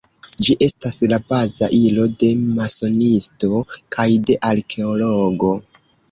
Ĝi estas la baza ilo de masonisto kaj de arkeologo.